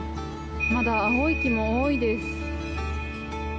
まだ青い木も多いです。